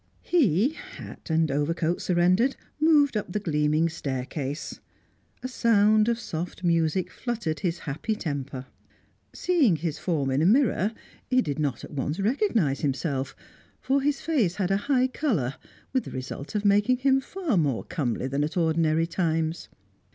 He, hat and overcoat surrendered, moved up the gleaming staircase. A sound of soft music fluttered his happy temper. Seeing his form in a mirror, he did not at once recognise himself; for his face had a high colour, with the result of making him far more comely than at ordinary times.